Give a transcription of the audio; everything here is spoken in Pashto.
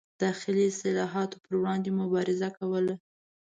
داخلي اصلاحاتو پر وړاندې مبارزه کوله.